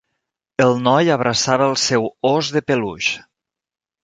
El noi abraçava el seu os de peluix.